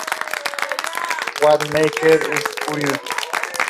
Se supone que poseía cinco soportes interiores para el techo.